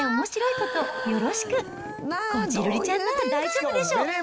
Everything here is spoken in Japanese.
こじるりちゃんなら大丈夫でしょ。